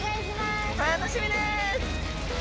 楽しみです。